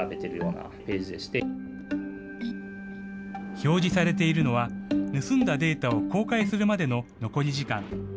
表示されているのは、盗んだデータを公開するまでの残り時間。